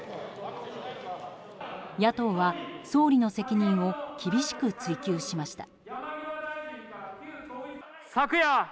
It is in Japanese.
野党は総理の責任を厳しく追及しました。